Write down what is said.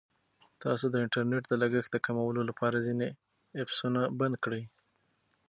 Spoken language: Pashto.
تاسو د انټرنیټ د لګښت د کمولو لپاره ځینې ایپسونه بند کړئ.